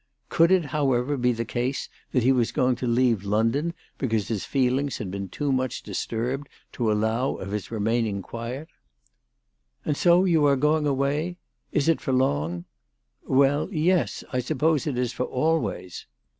Could it, however, be the case that he was going to leave London because his feelings had been too much dis turbed to allow of his remaining quiet ?" And so you are going away ? Is it for long ?"" Well, yes ; I suppose it is for always."